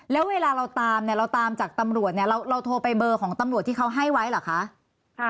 แล้วเวลาเราตามจากตำรวจเราโทรไปเบอร์ของตำรวจที่เขาให้ไว้หรือคะ